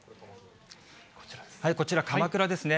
こちら、鎌倉ですね。